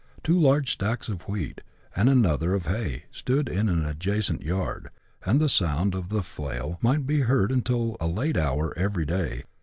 Two large stacks of wheat, and another of hay, stood in an adjacent yard, and the sound of the flail might be heard until a late hour every day.